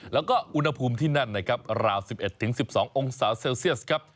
แล้วก็อุณหภูมิที่นั่นนะครับราว๑๑๑๒องศาเซลเซียสครับ